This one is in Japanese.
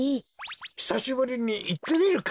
ひさしぶりにいってみるか？